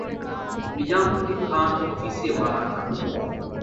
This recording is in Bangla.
নিজাম উদ্দিন খান অফিসে মারা যান।